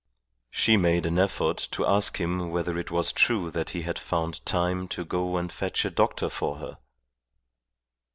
She made an effort to ask him whether it was true that he had found time to go and fetch a doctor for her.